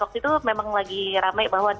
waktu itu memang lagi ramai bawa